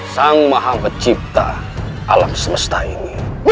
sang maha pencipta alam semesta ini